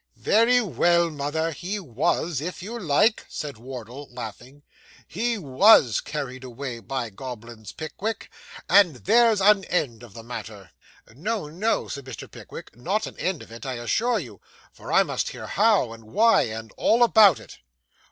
'Very well, mother, he was, if you like,' said Wardle laughing. 'He was carried away by goblins, Pickwick; and there's an end of the matter.' 'No, no,' said Mr. Pickwick, 'not an end of it, I assure you; for I must hear how, and why, and all about it.